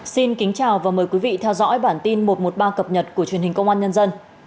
xin kính chào và mời quý vị theo dõi bản tin một trăm một mươi ba cập nhật của truyền hình công an nhân dân